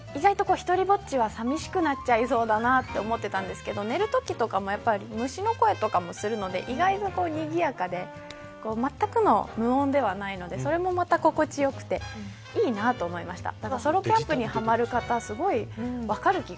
私も意外と１人ぼっちはさみしくなっちゃいそうだなと思ってたんですけど寝るときも虫の声もするので意外とにぎやかでまったくの無音ではないのでそれもまた心地良くていいなと思いました。